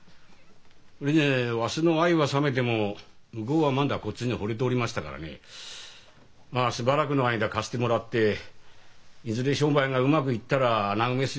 それにわしの愛は冷めても向こうはまだこっちにほれておりましたからねまあしばらくの間貸してもらっていずれ商売がうまくいったら穴埋めしようと思ってたんですよ。